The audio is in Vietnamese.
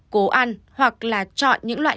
cố ăn hoặc là chọn những loại